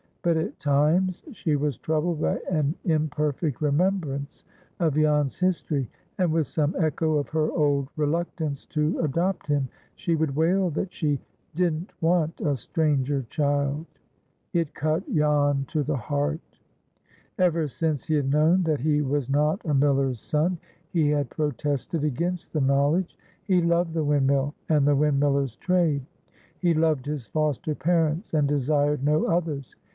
But at times she was troubled by an imperfect remembrance of Jan's history, and, with some echo of her old reluctance to adopt him, she would wail that she "didn't want a stranger child." It cut Jan to the heart. Ever since he had known that he was not a miller's son, he had protested against the knowledge. He loved the windmill and the windmiller's trade. He loved his foster parents, and desired no others.